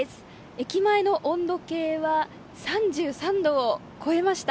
駅前の温度計は３３度を超えました。